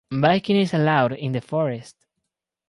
Biking is allowed in the forest.